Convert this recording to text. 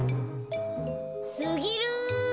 すぎる！